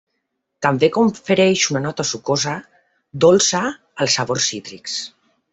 També confereix una nota sucosa dolça als sabors cítrics.